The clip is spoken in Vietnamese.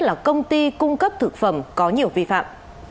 là công ty cung cấp thực phẩm có nhiều vi phạm